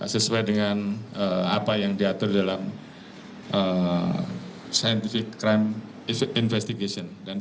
sesuai dengan apa yang diatur dalam scientific crime investigation